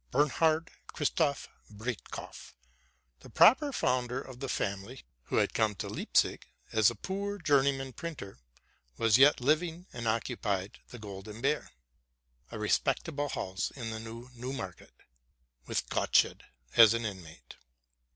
Bernhard Christoph Breitkopf, the proper founder of the family, who had come to Leipzig as a poor journeyman printer, was yet living, and occupied the Golden Bear, a respectable house in the new 270 TRUTH AND FICTION Newmarket, with Gottsched as an inmate.